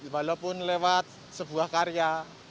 walaupun lewat sebuah karya